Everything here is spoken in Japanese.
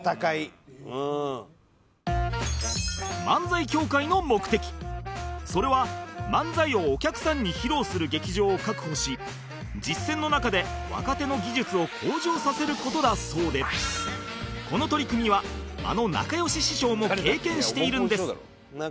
漫才協会の目的それは漫才をお客さんに披露する劇場を確保し実践の中で若手の技術を向上させる事だそうでこの取り組みはあの仲良し師匠も経験しているんです